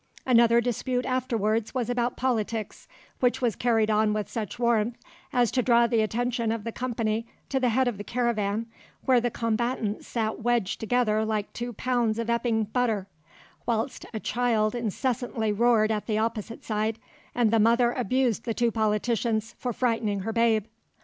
Another dispute afterwards was about politics, which was carried on with such warmth as to draw the attention of the company to the head of the caravan, where the combatants sat wedged together like two pounds of Epping butter, whilst a child incessantly roared at the opposite side, and the mother abused the two politicians for frightening her babe.